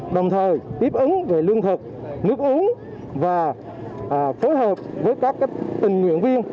đồng thời tiếp ứng về lương thực nước uống và phối hợp với các tình nguyện viên